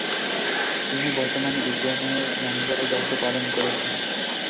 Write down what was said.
তিনি বর্তমানে ইউক্রেনের ম্যানেজারের দায়িত্ব পালন করছেন।